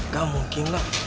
gak mungkin lah